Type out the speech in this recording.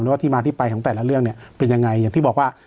ว่าที่มาที่ไปของแต่ละเรื่องเนี่ยเป็นยังไงอย่างที่บอกว่า